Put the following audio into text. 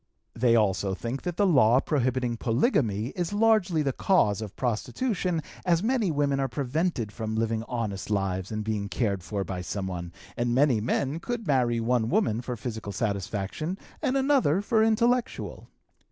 They also think that the law prohibiting polygamy is largely the cause of prostitution, as many women are prevented from living honest lives and being cared for by someone, and many men could marry one woman for physical satisfaction and another for intellectual.